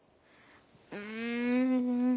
うん。